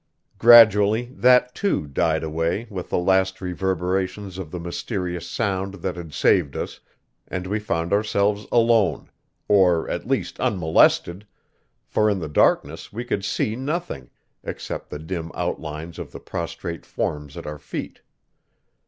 Gradually that, too, died away with the last reverberations of the mysterious sound that had saved us, and we found ourselves alone or at least unmolested for in the darkness we could see nothing, except the dim outlines of the prostrate forms at our feet.